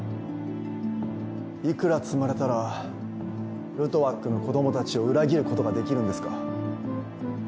幾ら積まれたらルトワックの子供たちを裏切ることができるんですか。